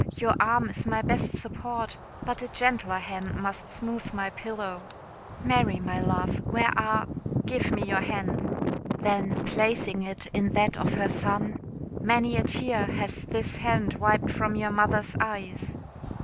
Your arm is my best support, but a gentler hand must smooth my pillow. Mary, my love, where are ? Give me your hand." Then placing it in that of her son "Many a tear has this hand wiped from your mother's eyes!"